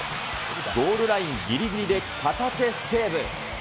ゴールラインぎりぎりで片手セーブ。